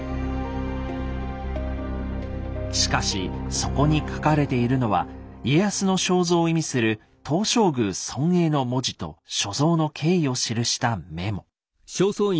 しかしそこに書かれているのは家康の肖像を意味する「東照宮尊影」の文字と所蔵の経緯を記したメモ。